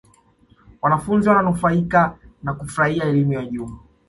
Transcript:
wanafunzi wananufaika na kuifurahia elimu ya juu